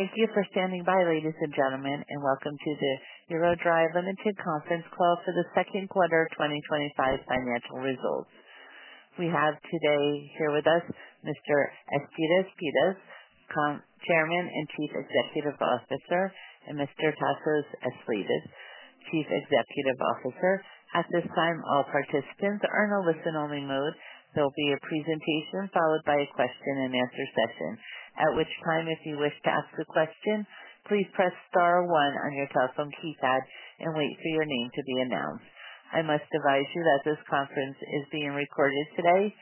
Thank you for standing by, ladies and gentlemen, and welcome to the EuroDry Ltd Conference Call for the second quarter 2025 financial results. We have today here with us Mr. Aristides Pittas, Chairman and Chief Executive Officer, and Mr. Tasos Aslidis, Chief Executive Officer. At this time, all participants are in a listen-only mode. There will be a presentation followed by a question-and-answer session, at which time, if you wish to ask a question, please press Star, one on your telephone keypad and wait for your name to be announced. I must advise you that this conference is being recorded today.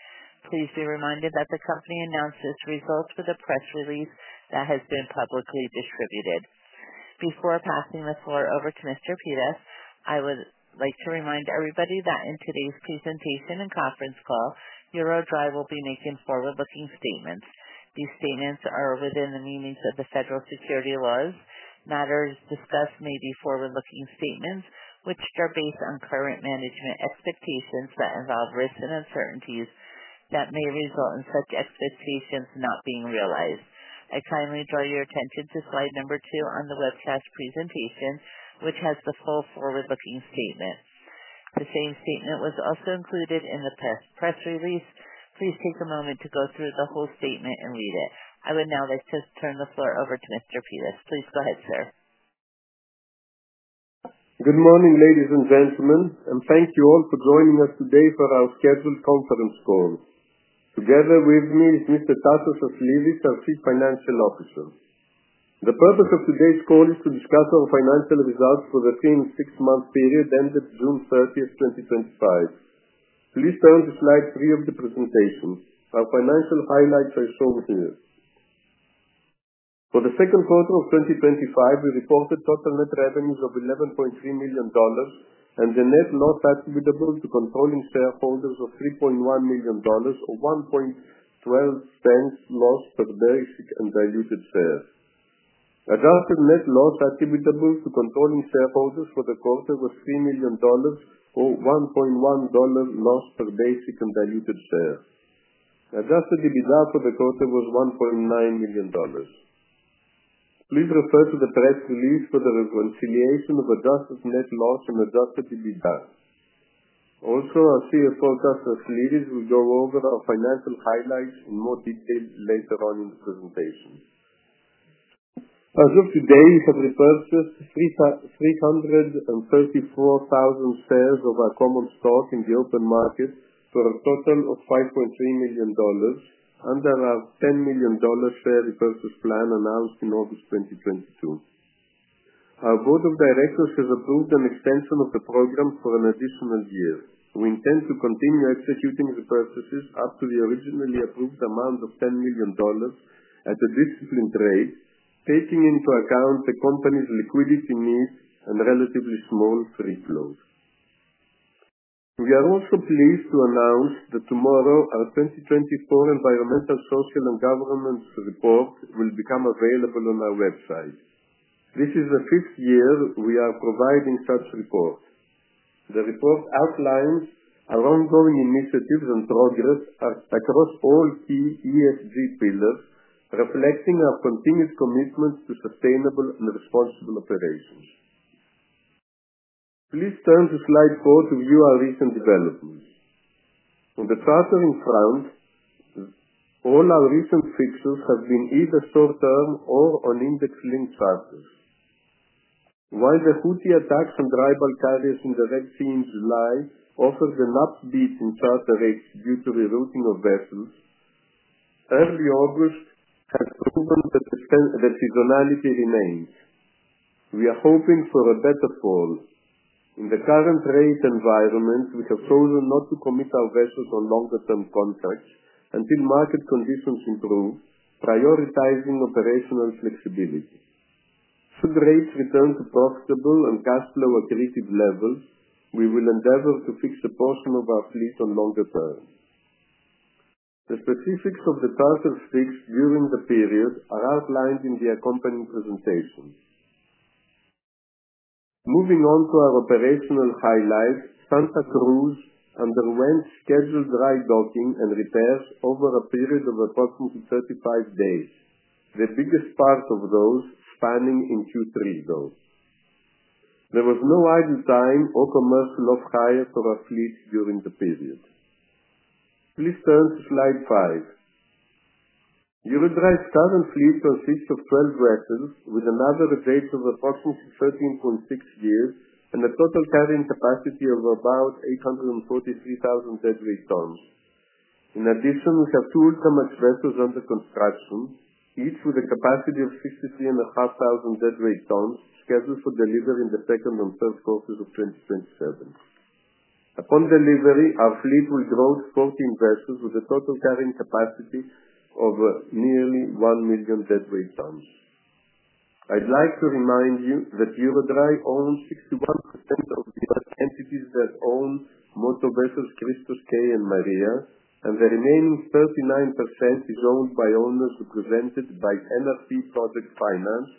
Please be reminded that the company announces results with a press release that has been publicly distributed. Before passing the floor over to Mr. Pittas, I would like to remind everybody that in today's presentation and conference call, EuroDry will be making forward-looking statements. These statements are within the meanings of the federal security laws. Matters discussed may be forward-looking statements, which are based on current management expectations that involve risks and uncertainties that may result in such expectations not being realized. I kindly draw your attention to slide number two on the webcast presentation, which has the full forward-looking statement. The same statement was also included in the press release. Please take a moment to go through the whole statement and read it. I would now like to turn the floor over to Mr. Pittas. Please go ahead, sir. Good morning, ladies and gentlemen, and thank you all for joining us today for our scheduled conference call. Together with me is Mr. Tasos Aslidis, our Chief Financial Officer. The purpose of today's call is to discuss our financial results for the same six-month period ended June 30th, 2025. Please turn to slide three of the presentation. Our financial highlights are shown here. For the second quarter of 2025, we reported total net revenues of $11.3 million, and the net loss attributable to controlling shareholders was $3.1 million, or $1.12 loss per share and diluted shares. Adjusted net loss attributable to controlling shareholders for the quarter was $3 million, or $1.10 loss per share and diluted shares. Adjusted EBITDA for the quarter was $1.9 million. Please refer to the press release for the reconciliation of adjusted net loss and adjusted EBITDA. Also, our CFO, Tasos Aslidis, will go over our financial highlights in more detail later on in the presentation. As of today, we have repurchased 334,000 shares of our common stock in the open market for a total of $5.3 million under our $10 million share repurchase plan announced in August 2022. Our Board of Directors has approved an extension of the program for an additional year. We intend to continue executing repurchases up to the originally approved amount of $10 million at a disciplined rate, taking into account the company's liquidity needs and relatively small free float. We are also pleased to announce that tomorrow, our 2024 Environmental, Social, and Governance report will become available on our website. This is the fifth year we are providing such reports. The report outlines our ongoing initiatives and progress across all key ESG pillars, reflecting our continued commitment to sustainable and responsible operations. Please turn to slide four to view our recent developments. In the chartering front, all our recent fixtures have been either short-term or on index-linked charters. While the Houthi attacks on rival carriers in the Red Sea in July offered an uptick in charter rates due to rerouting of vessels, early August has proven that the seasonality remains. We are hoping for a better fall. In the current rate environment, we have chosen not to commit our vessels on longer-term contracts until market conditions improve, prioritizing operational flexibility. Should rates return to profitable and cash flow-accretive levels, we will endeavor to fix a portion of our fleet on longer term. The specifics of the charter fix during the period are outlined in the accompanying presentation. Moving on to our operational highlights, Santa Cruz underwent scheduled dry docking and repairs over a period of approximately 35 days, the biggest part of those spanning in Q3, though. There was no idle time or commercial off-hire for our fleet during the period. Please turn to slide five. EuroDry's current fleet consists of 12 vessels, with an average age of approximately 13.6 years and a total carrying capacity of about 843,000 deadweight tons. In addition, we have two Ultramax newbuilds under construction, each with a capacity of 53,500 deadweight tons, scheduled for delivery in the second and third quarters of 2027. Upon delivery, our fleet will gross 14 vessels with a total carrying capacity of nearly 1 million deadweight tons. I'd like to remind you that EuroDry owns 61% of the entities that own motor vessels Christos K and Maria, and the remaining 39% is owned by owners represented by NRC project finance,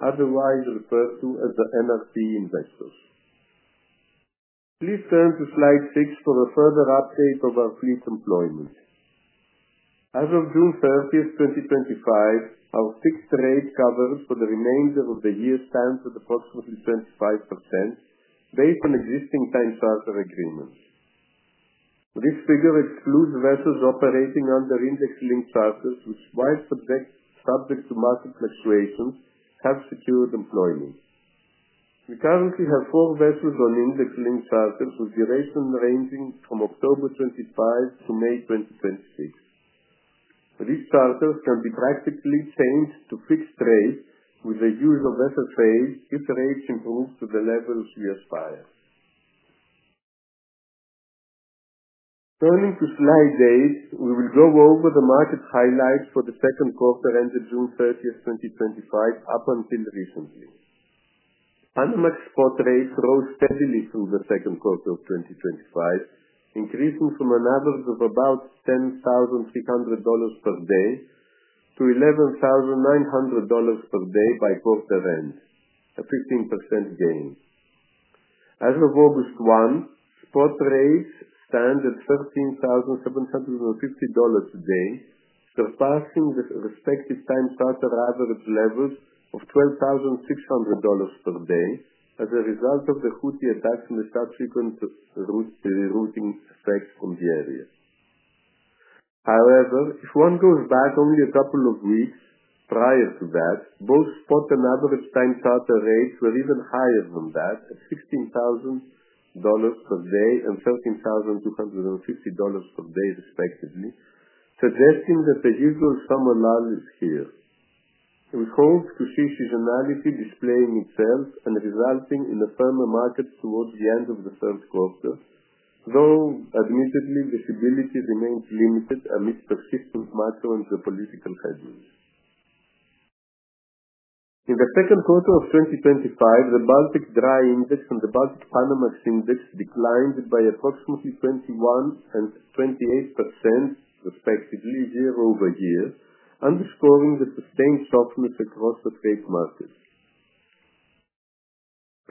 otherwise referred to as the NRC investors. Please turn to slide six for a further update of our fleet's employment. As of June 30th, 2025, our fixed rate coverage for the remainder of the year stands at approximately 25% based on existing time charter agreements. This figure excludes vessels operating under index-linked charters, which, while subject to market fluctuations, have secured employment. We currently have four vessels on index-linked charters with durations ranging from October 2025-May 2026. These charters can be practically changed to fixed rate with a usual vessel phase, if rates improve to the levels we require. Turning to slide eight, we will go over the market highlights for the second quarter ended June 30th, 2025, up until recently. Panamax spot rates rose steadily through the second quarter of 2025, increasing from an average of about $10,300 per day to $11,900 per day by quarter end, a 15% gain. As of August 1, spot rates stand at $13,750 a day, surpassing the respective time charter average levels of $12,600 per day as a result of the Houthi attacks and the start of frequent rerouting effects from the area. However, if one goes back only a couple of weeks prior to that, both spot and average time charter rates were even higher than that at $16,000 per day and $13,250 per day, respectively, suggesting that the usual summer run is here. We hope to see seasonality displaying itself and resulting in a firmer market towards the end of the third quarter, though admittedly, visibility remains limited amidst persistent macro and geopolitical headwinds. In the second quarter of 2025, the Baltic Dry Index and the Baltic Panamax Index declined by approximately 21% and 28%, respectively, year-over-year, underscoring the sustained softness across the trade market.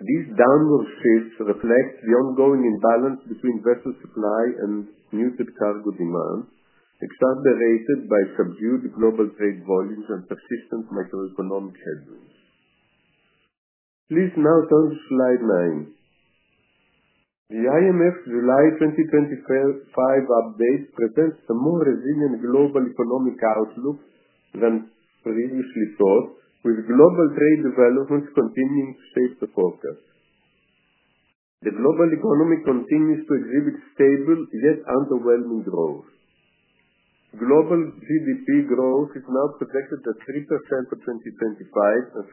These downward fits reflect the ongoing imbalance between vessel supply and muted cargo demand, which is underrated by subdued global trade volumes and persistent macro-economic headwinds. Please now turn to slide nine. The IMF July 2025 update presents a more resilient global economic outlook than previously thought, with global trade developments continuing to stay provocative. The global economy continues to exhibit stable, yet underwhelming growth. Global GDP growth is now projected at 3% for 2025 and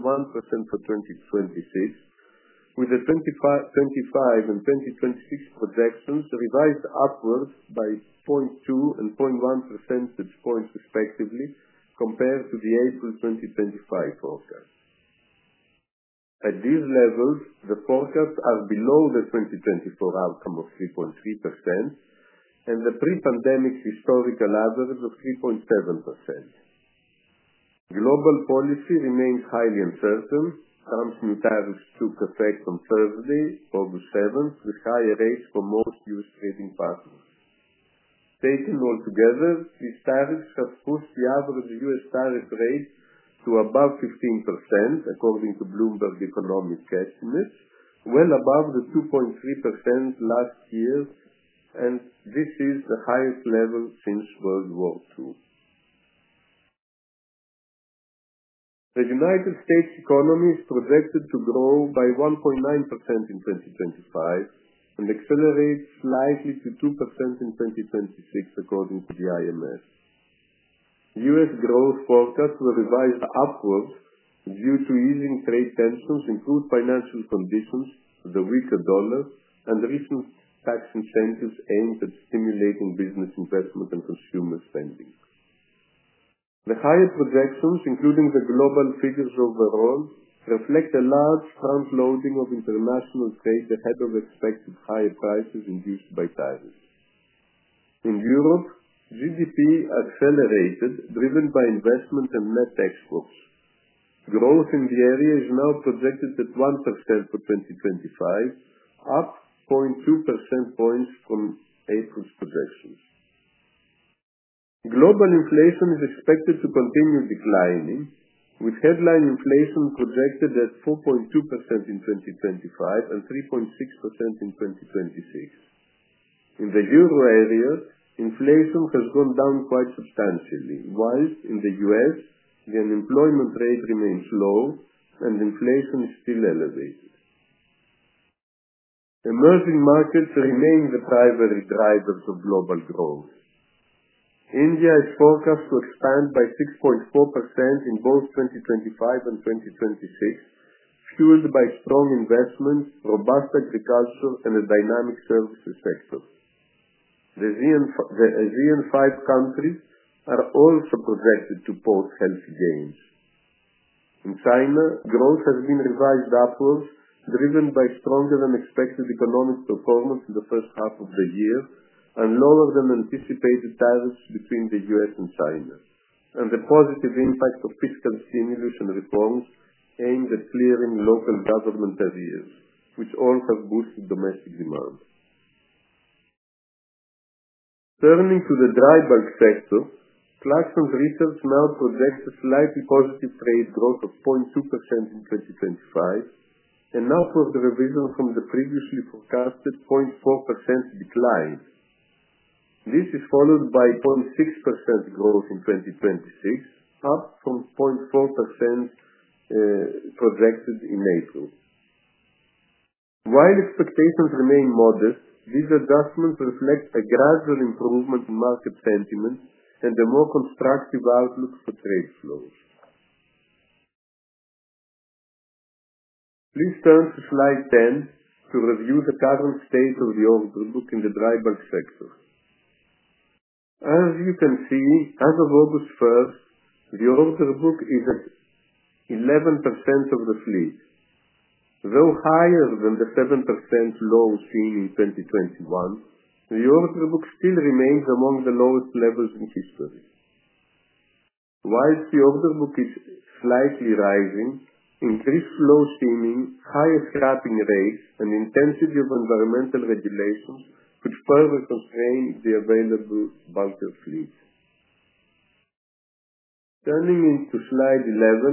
3.1% for 2026, with the 2025 and 2026 projections revised upwards by 0.2 and 0.1 percentage points, respectively, compared to the April 2025 forecast. At these levels, the forecasts are below the 2024 outcome of 3.3% and the pre-pandemic historical average of 3.7%. Global policy remains highly uncertain, prompting tariffs to cut back conservatively, August 7th, with higher rates for most U.S., trading partners. Taken altogether, these tariffs have pushed the average U.S., tariff rate to above 15%, according to Bloomberg economic estimates, well above the 2.3% last year, and this is the highest level since World War II. The United States economy is projected to grow by 1.9% in 2025 and accelerate slightly to 2% in 2026, according to the IMF. U. S., growth forecasts were revised upwards due to easing trade tensions, improved financial conditions, the weaker dollar, and recent tax incentives aimed at stimulating business investment and consumer spending. The higher projections, including the global figures overall, reflect a large front-loading of international trade ahead of expected higher prices induced by tariffs. In Europe, GDP accelerated, driven by investment and net exports. Growth in the area is now projected at 1% for 2025, up 0.2 percentage points from April's projections. Global inflation is expected to continue declining, with headline inflation projected at 4.2% in 2025 and 3.6% in 2026. In the euro area, inflation has gone down quite substantially, whilst in the U.S., the unemployment rate remains low and inflation is still elevated. Emerging markets remain the primary drivers of global growth. India's forecast was spanned by 6.4% in both 2025 and 2026, fueled by strong investment, robust agriculture, and a dynamic services sector. The ASEAN five countries are also projected to post healthy gains. In China, growth has been revised upwards, driven by stronger than expected economic performance in the first half of the year and lower than anticipated tariffs between the U.S., and China, and the positive impact of fiscal stimulus and reforms aimed at clearing local government arrears, which all have boosted domestic demand. Turning to the dry bulk shipping sector, Clarkson Research now projects a slightly positive trade growth of 0.2% in 2025 and now for the revision from the previously forecasted 0.4% decline. This is followed by 0.6% growth in 2026, up from 0.4% projected in April. While expectations remain modest, these adjustments reflect a gradual improvement in market sentiment and a more constructive outlook for trade flows. Please turn to slide 10 to review the current state of the order book in the dry bulk shipping sector. As you can see, as of August 1st, the order book is at 11% of the fleet. Though higher than the 7% low seen in 2021, the order book still remains among the lowest levels in history. While the order book is slightly rising, increased flows seen in higher scrapping rates and the intensity of environmental regulation could further constrain the available bulk fleet. Turning into slide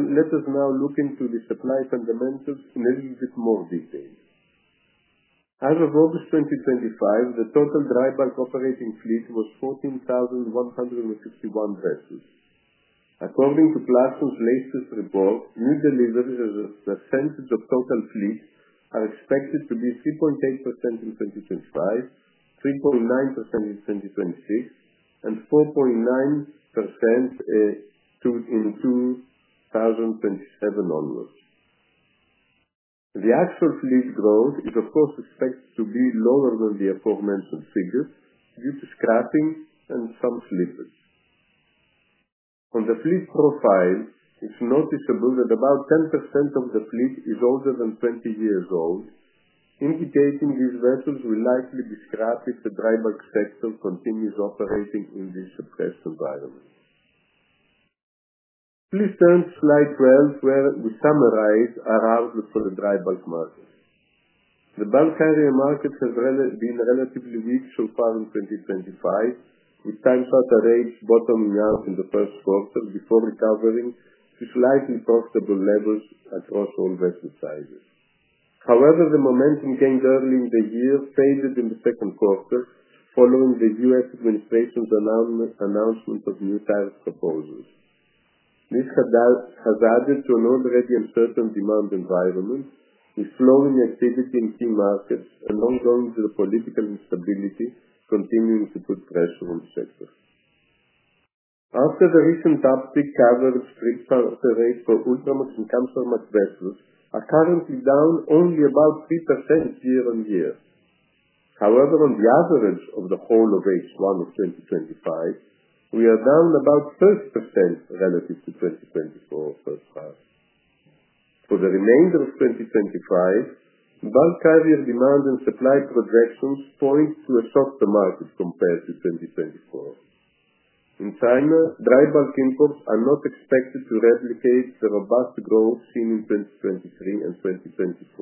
11, let us now look into the supply fundamentals in a little bit more detail. As of August 2025, the total dry bulk operating fleet was 14,161 vessels. According to Clarkson's latest report, new deliveries as a percentage of total fleet are expected to be 3.8% in 2025, 3.9% in 2026, and 4.9% in 2027 onward. The actual fleet growth is, of course, expected to be lower than the aforementioned figure due to scrapping and some slippage. On the fleet profile, it's noticeable that about 10% of the fleet is older than 20 years old, indicating these vessels will likely be scrapped if the dry bulk shipping sector continues operating in this suppressed environment. Please turn to slide 12 where we summarize our outlook for the dry bulk market. The dry bulk shipping market has been relatively weak so far in 2025, with time charter rates bottoming out in the first quarter before recovering to slightly profitable levels across all vessel sizes. However, the momentum gained early in the year faded in the second quarter following the U.S., administration's announcement of new tariff proposals. This has added to an already uncertain demand environment, with slowing activity in the dry bulk shipping market along with the political instability continuing to put pressure on the sector. After the recent uptick, average time charter rates for Ultramax and Kamsarmax vessels are currently down only about 3% year-on-year. However, on the average of the whole of H1 of 2025, we are down about 30% relative to 2024 first quarter. For the remainder of 2025, dry bulk carrier demand and supply projections point to a shorter market compared to 2024. In China, dry bulk imports are not expected to replicate the robust growth seen in 2023 and 2024,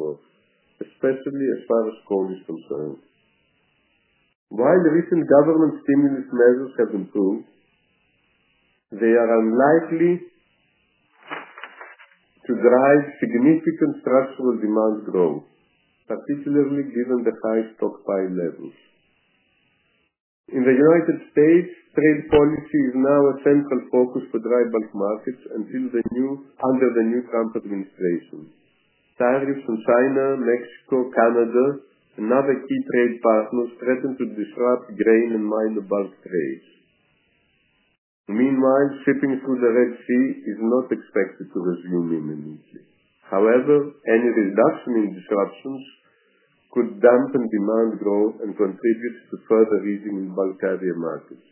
especially as far as coal is concerned. While recent government stimulus measures have improved, they are unlikely to drive significant structural demand growth, particularly given the high stockpile levels. In the United States, trade policy is now a central focus for dry bulk markets under the new Trump administration. Tariffs in China, Mexico, Canada, and other key trade partners threaten to disrupt grain and minor bulk trades. Meanwhile, shipping through the Red Sea is not expected to resume immediately. However, any reduction in disruptions could dampen demand growth and contribute to further easing in bulk carrier markets.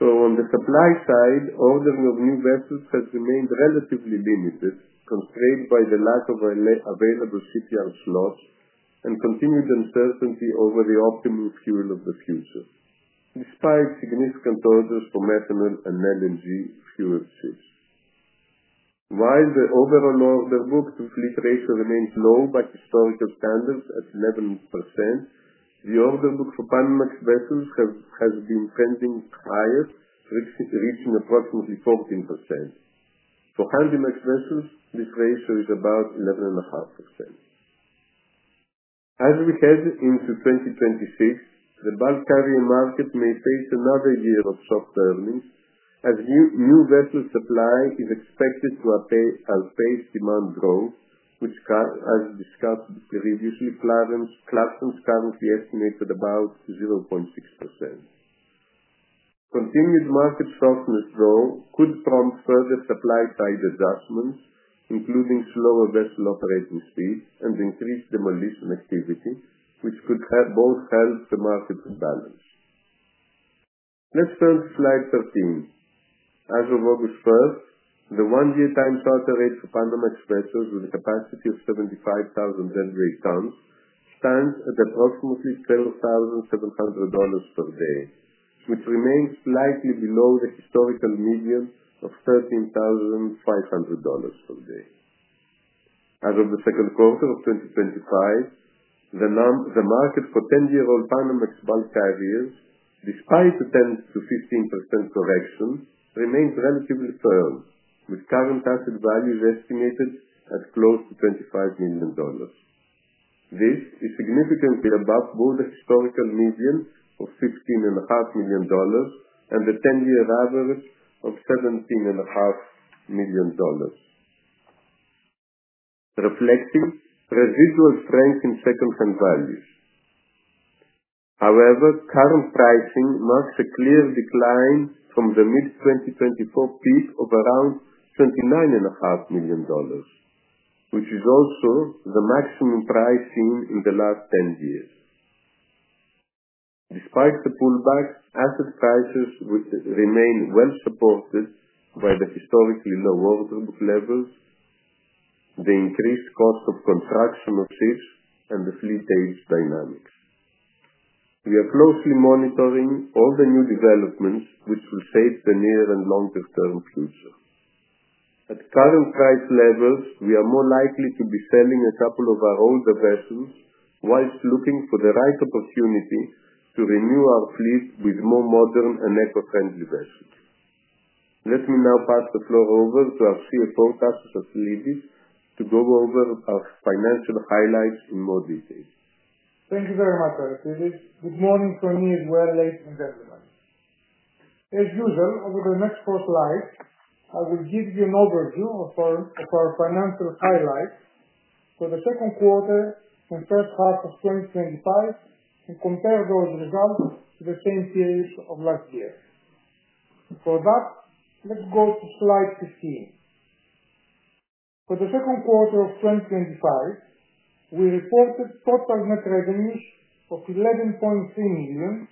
On the supply side, ordering of new vessels has remained relatively limited, constrained by the lack of available shipyard slots and continued uncertainty over the optimal fuel of the future, despite significant orders for methanol and LNG-fueled ships. While the overall order book to fleet ratio remains low by historical standards at 11%, the order book for Panamax vessels has been trending higher, reaching approximately 14%. For Handymax vessels, this ratio is about 11.5%. As we head into 2026, the bulk carrier market may face another year of short turnings, as new vessel supply is expected to outpace demand growth, which, as discussed previously, Clarksons currently estimates at about 0.6%. Continued market softness, though, could prompt further supply-side adjustments, including slower vessel operating speed and increased demolition activity, which could both help the market rebalance. Let's turn to slide 13. As of August 1st, the one-year time charter rates for Panamax vessels with a capacity of 75,000 deadweight tons stand at approximately $12,700 per day, which remains slightly below the historical median of $13,500 per day. As of the second quarter of 2025, the market for a 10-year-old Panamax bulk carrier, despite a 10%-15% correction, remains relatively firm, with current asset values estimated at close to $25 million. This is significantly above the historical median of $15.5 million and the 10-year average of $17.5 million, reflecting residual strength in second-hand values. However, current pricing marks a clear decline from the mid-2024 peak of around $29.5 million, which is also the maximum price seen in the last 10 years. Despite the pullback, asset prices remain well supported by the historically low order book levels, the increased cost of construction of ships, and the fleet age dynamics. We are closely monitoring all the new developments which will shape the near and long-term future. At current price levels, we are more likely to be selling a couple of our older vessels whilst looking for the right opportunity to renew our fleet with more modern and eco-friendly vessels. Let me now pass the floor over to our CFO, Tasos Aslidis, to go over our financial highlights in more detail. Thank you very much, Aristides. Good morning from me as well, ladies and gentlemen. As usual, over the next four slides, I will give you an overview of our financial highlights for the second quarter and first half of 2025 and compare those results with the same series of last year. For that, let's go to slide 15. For the second quarter of 2025, we reported total net revenues of $11.3 million,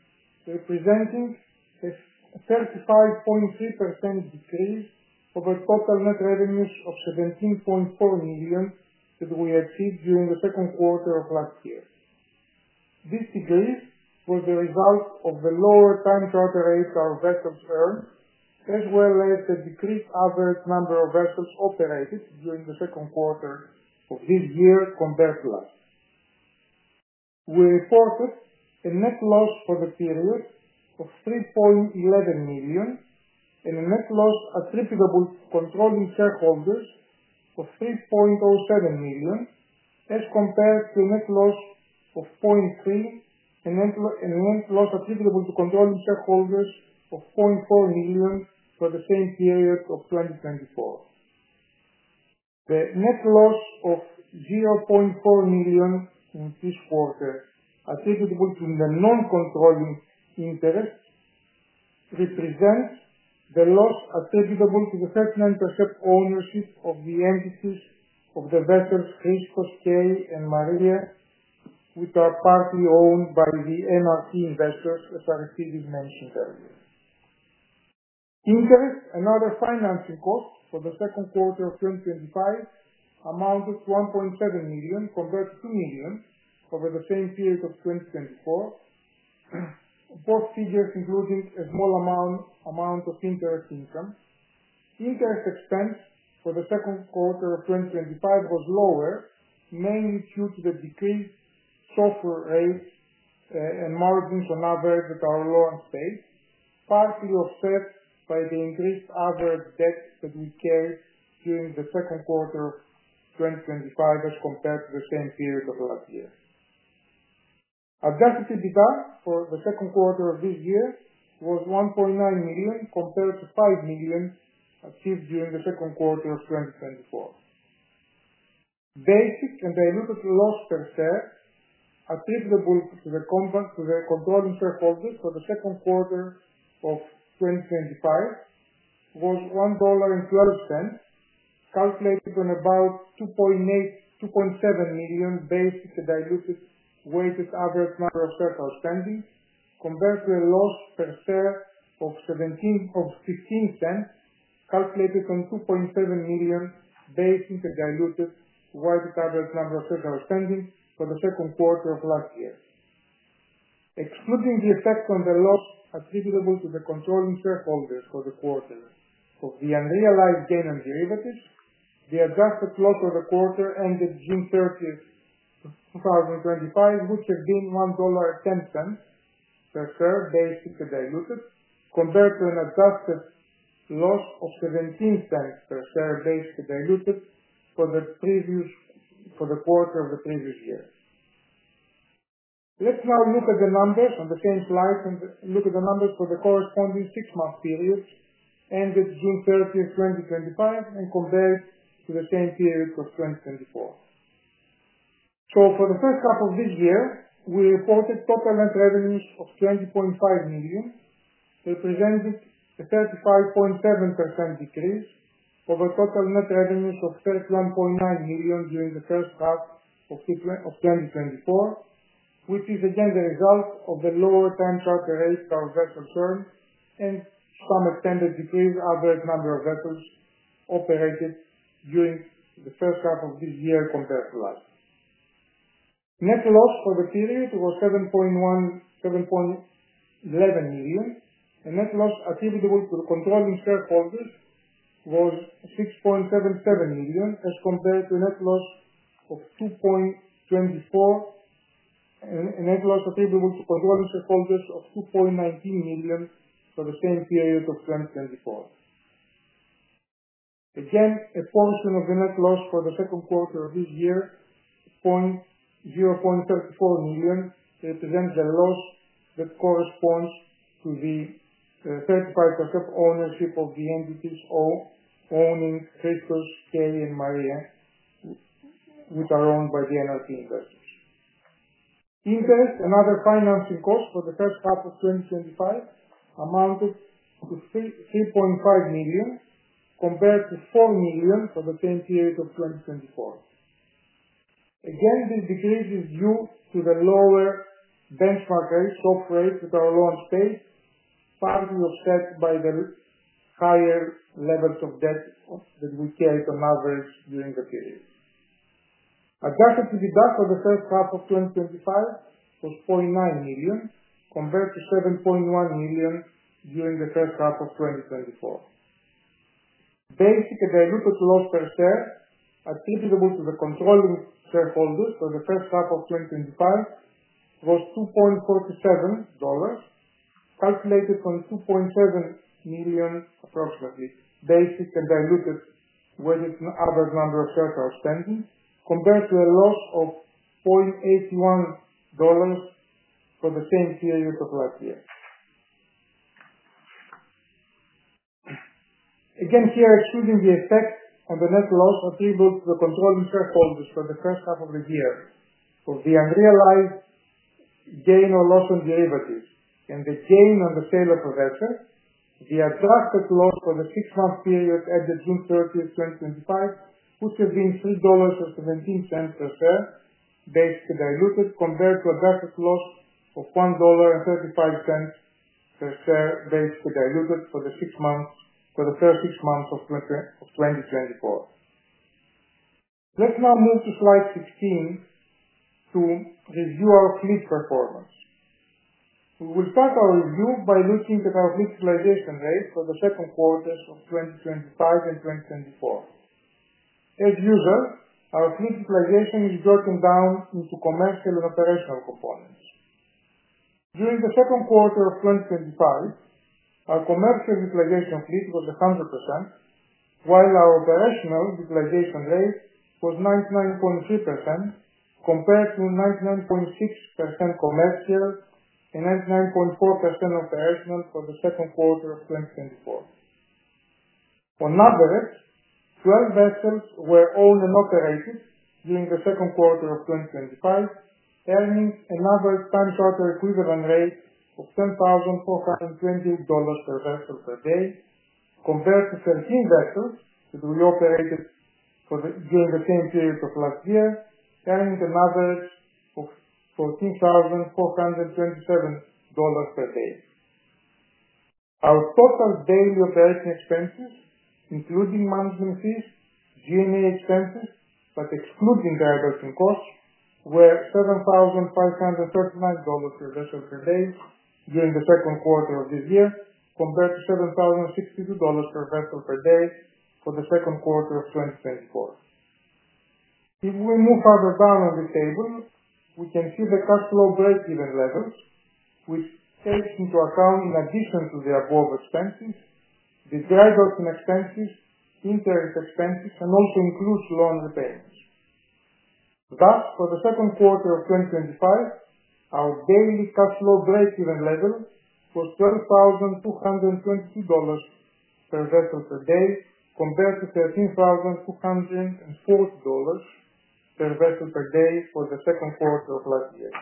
representing a 35.3% decrease over total net revenues of $17.4 million that we achieved during the second quarter of last year. These decreases were the result of the lower time charter rates our vessels earned, as well as the decreased average number of vessels operated during the second quarter of this year compared to last. We reported a net loss for the period of $3.11 million and a net loss attributable to controlling shareholders of $3.07 million, as compared to a net loss of $0.3 million and a net loss attributable to controlling shareholders of $0.4 million for the same period of 2024. The net loss of $0.4 million in this quarter attributable to the non-controlling interests represents the loss attributable to the 39% ownership of the vessels Christos K and Maria, which are partly owned by the NRC investors as Aristides mentioned earlier. Interest and other financing costs for the second quarter of 2025 amounted to $1.7 million compared to $2 million over the same period of 2024, both figures including a small amount of interest income. Interest expense for the second quarter of 2025 was lower, mainly due to the decreased SOFR rates and margins on average that are low and stays, partially offset by the increased average debts that we carry during the second quarter of 2025 as compared to the same period of last year. Adjusted EBITDA for the second quarter of this year was $1.9 million compared to $5 million achieved during the second quarter of 2024. Basic and diluted loss per share attributable to the controlling shareholders for the second quarter of 2025 was $1.12, calculated on about $2.7 million basic diluted weighted average number of shares outstanding compared to a loss per share of $0.15, calculated on $2.7 million basic diluted weighted average number of shares outstanding for the second quarter of last year. Excluding the effect on the net loss attributable to the controlling shareholders for the quarter of the unrealized gain on derivatives, the adjusted flow for the quarter ended June 30th, 2025, has been $1.10 per share basis diluted compared to an adjusted loss of $0.17 per share basis diluted for the quarter of the previous year. Let's now look at the numbers on the same slide and look at the numbers for the corresponding six-month periods ended June 30th, 2025, and compare it to the same period of 2024. For the first half of this year, we reported total net revenues of $20.5 million, representing a 35.7% decrease over total net revenues of $31.9 million during the first half of 2024, which is again the result of the lower time charter rates our vessels earned and some extended decrease in the average number of vessels operated during the first half of this year compared to last year. Net loss for the period was $7.11 million, and net loss attributable to the controlling shareholders was $6.77 million as compared to a net loss of $2.24 million, and a net loss attributable to controlling shareholders of $2.19 million for the same period of 2024. A portion of the net loss for the second quarter of this year is $0.34 million. It represents a loss that corresponds to the 35% `of the owning Christos K and Maria, which are owned by the NRC investors. Interest and other financing costs for the first half of 2025 amounted to $3.5 million compared to $4 million for the same period of 2024. This decrease is due to the lower benchmark rates that are low and stay, partially offset by the higher levels of debt that we carried on average during the period. Adjusted EBITDA for the first half of 2025 was $4.9 million compared to $7.1 million during the first half of 2024. Basic and diluted loss per share attributable to the controlling shareholders for the first half of 2025 was $2.47, calculated on $2.7 million approximately. Basic and diluted weighted average number of shares outstanding compared to a loss of $0.81 for the same period of last year. Again, here excluding the effect on the net loss attributable to the controlling shareholders for the first half of the year, for the unrealized gain or loss on derivatives and the gain on the sale of a vessel, the adjusted loss for the six-month period ended June 30th, 2025, which has been $3.17 per share basic diluted compared to an adjusted loss of $1.35 per share basic diluted for the six-month period ended June 30th, 2024. Let's now move to slide 16 to review our fleet performance. We will start our review by looking at our fleet utilization rate for the second quarters of 2025 and 2024. As usual, our fleet utilization is broken down into commercial and operational components. During the second quarter of 2025, our commercial utilization fleet was 100%, while our operational utilization rate was 99.3% compared to 99.6% commercial and 99.4% operational for the second quarter of 2024. On average, 12 vessels were owned and operated during the second quarter of 2025, earning an average time charter equivalent rate of $10,420 per vessel per day, compared to 13 vessels that we operated during the same period of last year, earning an average of $14,427 per day. Our total daily operating expenses, including management fees, G&A expenses, but excluding diversion costs, were $7,539 per vessel per day during the second quarter of this year, compared to $7,062 per vessel per day for the second quarter of 2024. If we move further down on this table, we can see the cash flow breakeven level, which takes into account, in addition to the above expenses, the dry bulk expenses, interest expenses, and also includes loan repayment. Thus, for the second quarter of 2025, our daily cash flow breakeven level was $12,220 per vessel per day, compared to $13,204 per vessel per day for the second quarter of last year.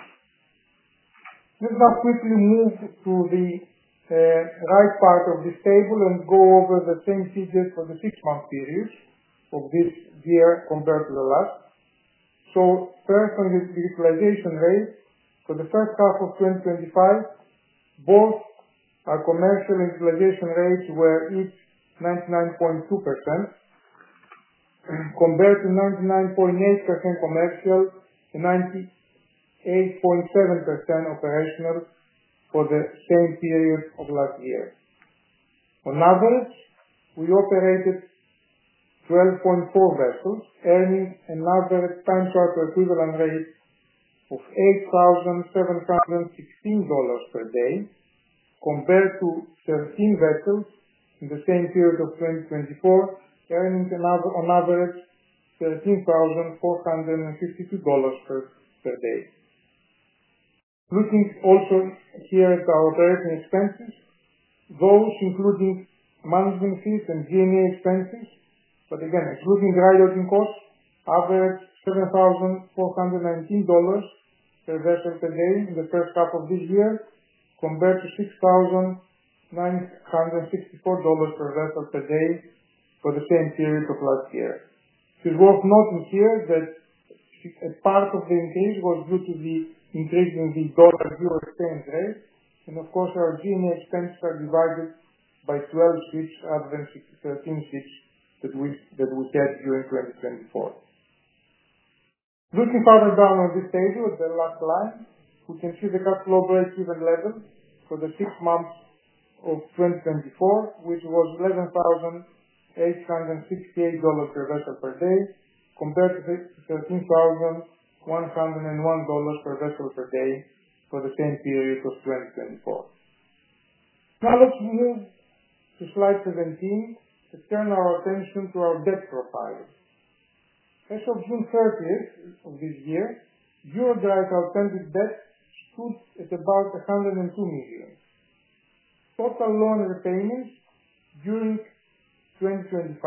Let's now quickly move to the right part of this table and go over the same figures for the six-month period of this year compared to the last. First, on this utilization rate for the first half of 2025, both our commercial and operational utilization rates were each 99.2% compared to 99.8% commercial and 98.7% operational for the same period of last year. On average, we operated 12.4 vessels, earning an average time charter equivalent rate of $8,716 per day, compared to 13 vessels in the same period of 2024, earning on average $13,452 per day. Looking also here at our operating expenses, those including management fees and G&A expenses, but again, including dry bulking costs, averaged $7,419 per vessel per day in the first half of this year, compared to $6,964 per vessel per day for the same period of last year. It is worth noting here that a part of the increase was due to the increase in the dollar/euro exchange rate, and of course, our G&A expenses are divided by 12 fleet, average 13 fleet that we paid during 2024. Looking further down on this table, the last line, we can see the cash flow breakeven level for the six months of 2024, which was $11,868 per vessel per day, compared to $13,101 per vessel per day for the same period of 2024. Now, let's move to slide 17 to turn our attention to our debt profile. As of June 30th of this year, EuroDry's outstanding debt stood at about $102 million. Total loan repayments during 2025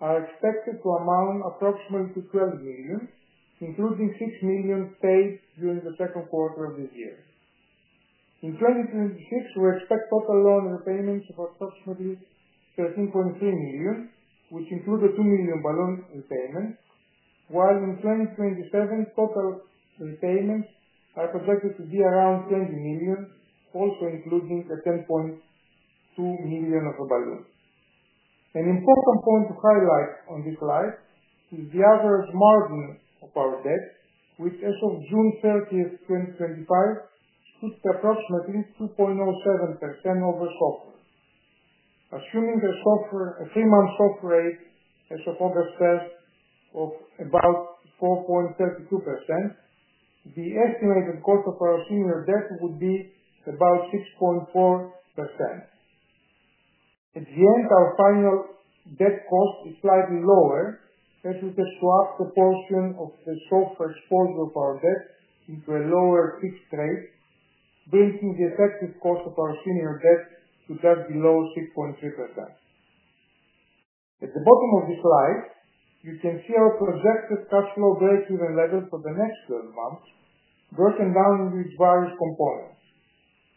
are expected to amount approximately to $12 million, including $6 million paid during the second quarter of this year. In 2026, we expect total loan repayments of approximately $13.3 million, which include the $2 million balloon repayment, while in 2027, total repayments are projected to be around $20 million, all to include a $10.2 million of the balloon. An important point to highlight on this slide is the average margin of our debt, which as of June 30th, 2025, stood at approximately 2.07% over SOFR. Assuming a three-month SOFR rate as of August 1st of about 4.32%, the estimated cost of our senior debt would be about 6.4%. At the end, our final debt cost is slightly lower, as we just swapped a portion of the SOFR exposure of our debt into a lower fixed rate, bringing the effective cost of our senior debt to just below 6.3%. At the bottom of this slide, you can see our projected cash flow breakeven level for the next 12 months broken down into its various components.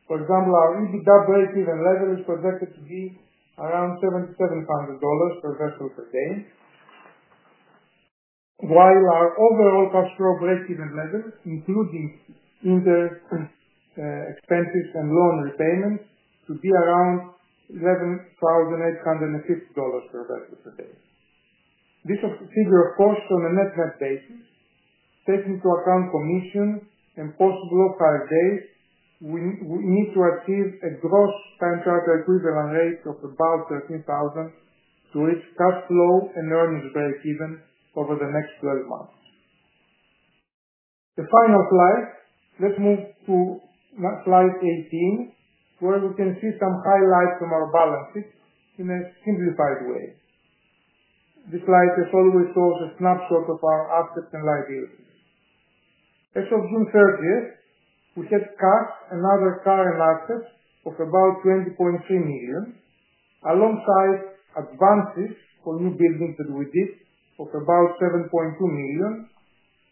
For example, our EBITDA breakeven level is projected to be around $7,700 per vessel per day, while our overall cash flow breakeven level, including interest and expenses on loan repayment, should be around $11,850 per vessel per day. This figure, of course, is on a net debt basis. Taking into account commission and possible off-hire days, we need to achieve a gross time charter equivalent rate of about $13,000 to reach cash flow and earnings breakeven over the next 12 months. The final slide, let's move to slide 18, where we can see some highlights from our balance sheet in a simplified way. This slide has always told a snapshot of our assets and liabilities. As of June 30th, we had cash and other current assets of about $20.3 million, alongside advances for new buildings that we did of about $7.2 million,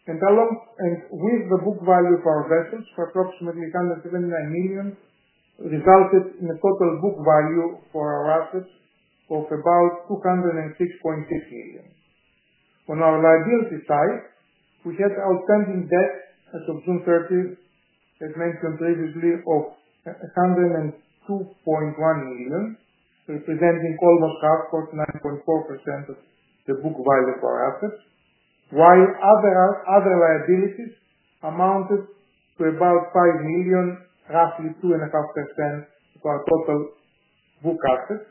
and along with the book value of our vessels for approximately $179 million, resulted in a total book value for our assets of about $206.6 million. On our liability side, we had our pending debt as of June 30th, as mentioned previously, of $102.1 million, representing overcost of 9.4% of the book value of our assets, while other liabilities amounted to about $5 million, roughly 2.5% of our total book assets,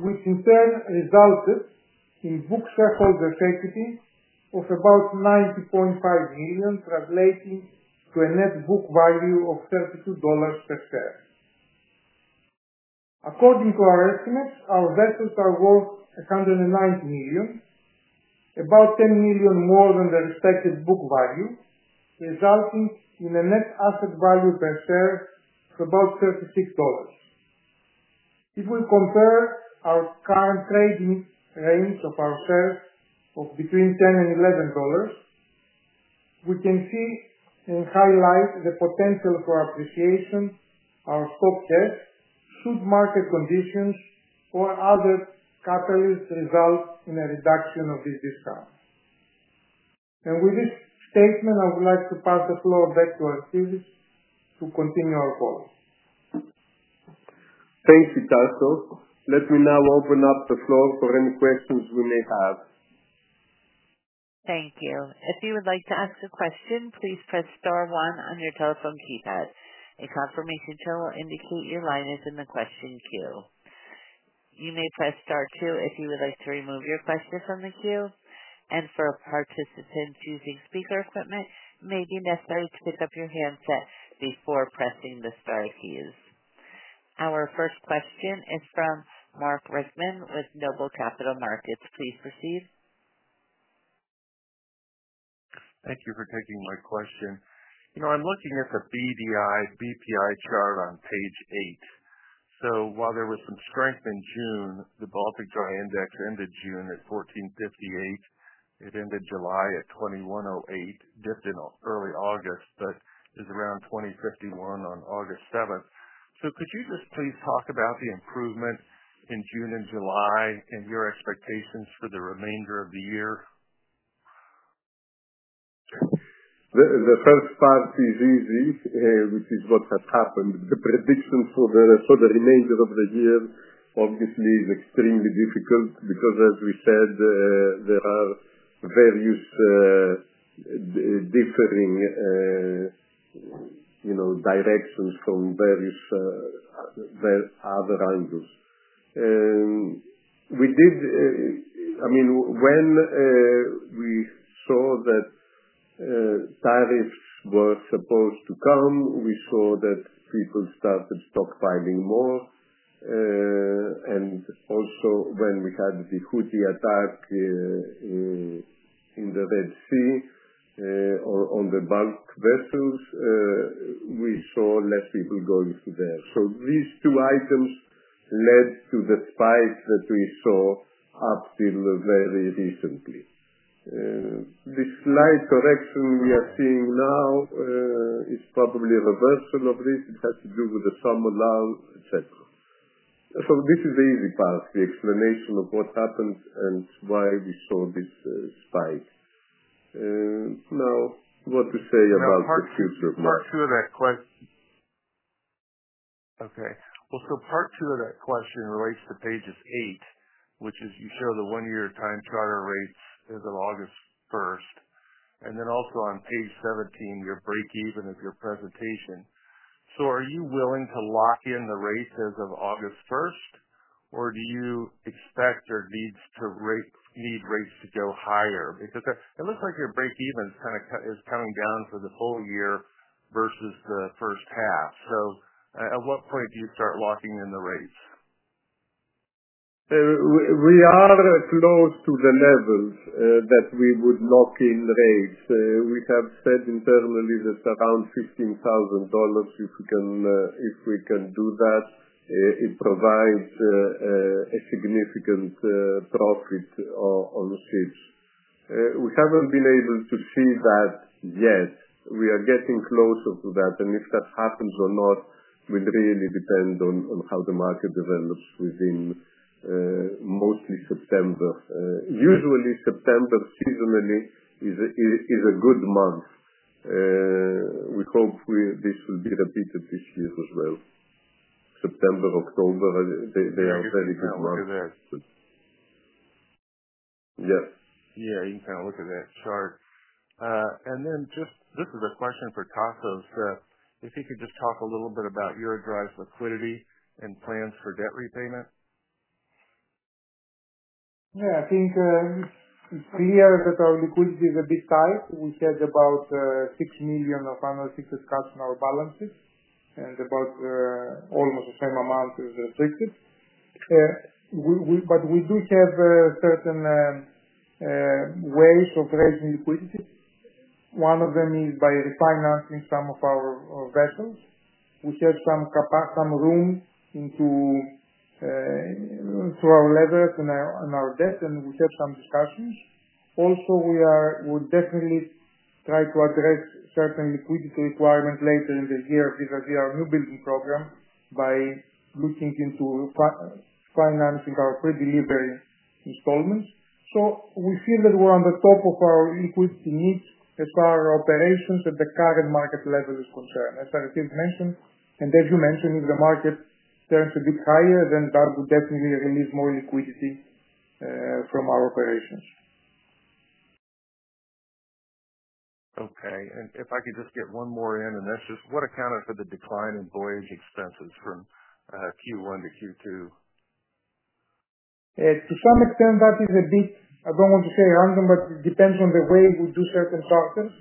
which in turn resulted in book shareholder equity of about $90.5 million, translating to a net book value of $32 per share. According to our estimates, our vessels are worth $190 million, about $10 million more than the respective book value, resulting in a net asset value per share of about $36. If we compare our current trading range of our shares of between $10 and $11, we can see and highlight the potential for appreciation of our stock shares should market conditions or other catalysts result in a reduction of this discount. With this statement, I would like to pass the floor back to Aristides to continue our call. Thank you, Tasos. Let me now open up the floor for any questions we may have. Thank you. If you would like to ask a question, please press Star, one on your telephone keypad. A confirmation show will indicate your line is in the question queue. You may press Star, two if you would like to remove your question from the queue. For participants using speaker equipment, it may be necessary to pick up your handsets before pressing the star keys. Our first question is from Mark Reichman with Noble Capital Markets. Please proceed. Thank you for taking my question. I'm looking at the BDI/BPI chart on page eight. While there was some strength in June, the Baltic Dry Index ended June at 1,458. It ended July at $2,108, dipped in early August, but is around $2,051 on August 7th. Could you just please talk about the improvement in June and July and your expectations for the remainder of the year? The first part is easy, which is what has happened. The prediction for the remainder of the year, obviously, is extremely difficult because, as we said, there are various differing, you know, directions from various other angles. We did, I mean, when we saw that tariffs were supposed to come, we saw that people started stockpiling more. Also, when we had the Houthi attack in the Red Sea on the bulk vessels, we saw less people going through there. These two items led to the spike that we saw up till very recently. This slight correction we are seeing now is probably a reversal of this. It has to do with the summer down, etc. This is the easy part, the explanation of what happened and why we saw this spike. Now, what to say about the future? Part two of that question relates to page eight, which is you show the one-year time charter rates as of August 1st. Then also on page 17, your breakeven of your presentation. Are you willing to lock in the rates as of August 1st, or do you expect or need rates to go higher? It looks like your breakeven is kind of coming down for the full year versus the first half. At what point do you start locking in the rates? We are close to the levels that we would lock in rates. We have said internally just around $15,000 if we can do that. It provides a significant profit on the fleet. We haven't been able to see that yet. We are getting closer to that. If that happens or not, it would really depend on how the market develops within mostly September. Usually, September seasonally is a good month. We hope this will be repeated this year as well. September, October, they are very good months. Yes, you can look at that. Sorry. This is a question for Tasos. If you could just talk a little bit about EuroDry's liquidity and plans for debt repayment. Yeah, I think it's clear that our liquidity is a bit tight. We had about $6 million of analysis cuts in our balances and about almost the same amount as the previous. We do have certain ways of raising liquidity. One of them is by refinancing some of our vessels. We set some room through our lever on our debt, and we set some discussions. We would definitely try to address certain liquidity requirements later in the year vis-à-vis our new building program by looking into financing our pre-delivery installments. We feel that we're on the top of our liquidity needs as far as our operations at the current market level is concerned, as Aristides mentioned. As you mentioned, if the market turns a bit higher, that would definitely release more liquidity from our operations. Okay. If I could just get one more in, that's just what accounted for the decline in voyage expenses from Q1 to Q2? To some extent, that is a bit, I don't want to say random, but it depends on the way we do certain charters.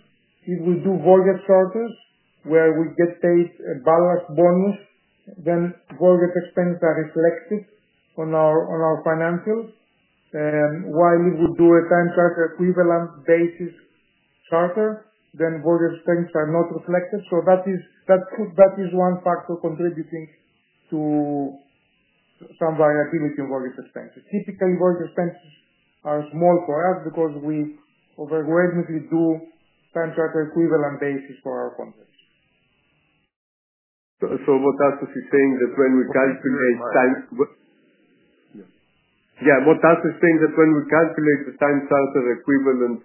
If we do voyage charters where we get a bonus, then voyage expense that is selected on our financials. While we would do a time charter equivalent basis charter, then voyage expenses are not reflected. That is one factor contributing to some variability in voyage expenses. Typically, voyage expenses are more correct because we overwhelmingly do time charter equivalent basis for our contracts. What Kasper is saying is that when we calculate time. Yeah. Yeah. What Kasper is saying is that when we calculate the time charter equivalent,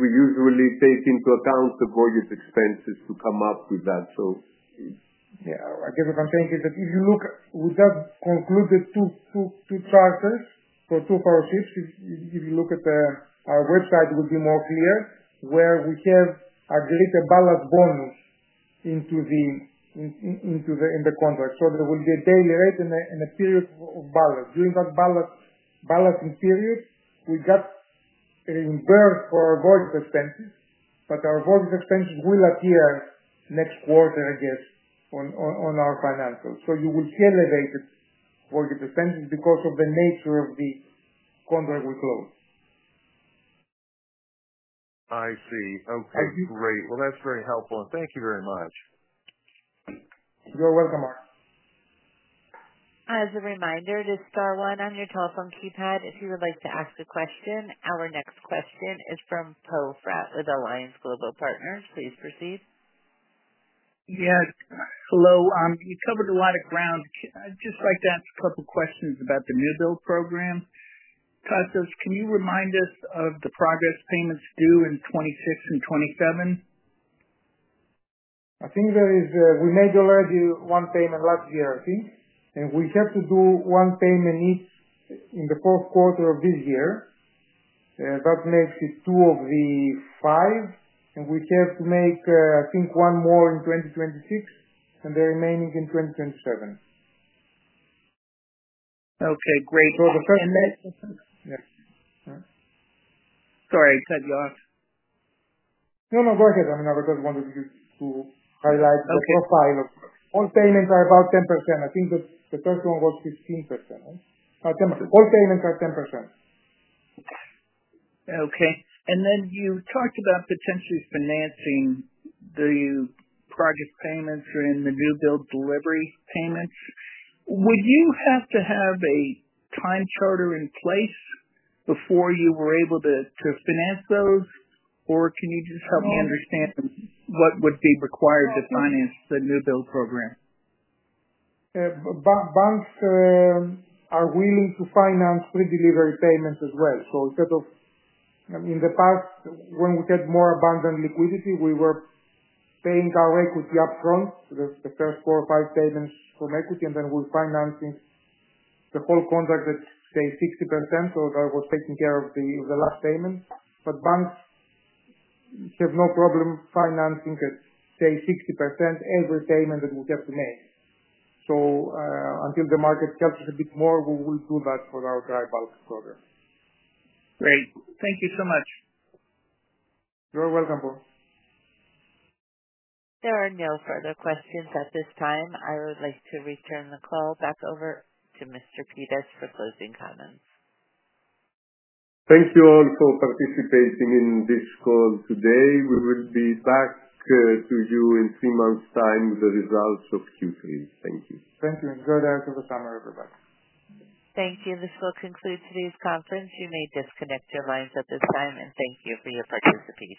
we usually take into account the voyage expenses to come up with that. I guess what I'm saying is that if you look, we just concluded two charters for two parties. If you look at our website, it will be more clear where we have at least a ballast bonus in the contract. There will be a daily rate and a period of ballast. During that ballast period, we got reimbursed for our voyage expenses, but our voyage expenses will appear next quarter, I guess, on our financials. You will see elevated voyage expenses because of the nature of the contract we closed. I see. Okay. Great. That's very helpful. Thank you very much. You're welcome, Mark. As a reminder, just Star, one on your telephone keypad if you would like to ask a question. Our next question is from Poe Fratt with Alliance Global Partners. Please proceed. Yes. Hello. You covered a lot of ground. I'd just like to ask a couple of questions about the newbuild program. Can you remind us of the progress payments due in 2026 and 2027? I think that is we made already one payment last year, I think. We had to do one payment each in the fourth quarter of this year. That makes it two of the five. We have to make, I think, one more in 2026 and the remaining in 2027. Okay. Great. And that's. Sorry, I cut you off. No, go ahead. I just wanted you to highlight the profile of all payments are about 10%. I think the first one was 15%. All payments are 10%. Okay. You talked about potentially financing the progress payments or the newbuild delivery payments. Would you have to have a time charter in place before you were able to finance those, or can you just help me understand what would be required to finance the newbuild program? Banks are willing to finance pre-delivery payments as well. In the past, when we had more abundant liquidity, we were paying our equity upfront, the first four or five payments from equity, and then we were financing the whole contract at, say, 60%. That was taking care of the last payment. Banks have no problem financing at, say, 60% every payment that we have to make. Until the market catches a bit more, we will do that for our dry bulk shipping program. Great. Thank you so much. You're welcome, Poe. There are no further questions at this time. I would like to return the call back over to Mr. Pittas for closing comments. Thank you all for participating in this call today. We will be back to you in three months' time with the results of Q3. Thank you. Thank you. Enjoy the rest of the summer, everybody. Thank you. This will conclude today's conference. You may disconnect your lines at this time, and thank you for your participation.